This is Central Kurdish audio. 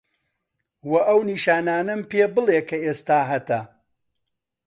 وە ئەو نیشانانەم پێ بلێ کە ئێستا هەتە؟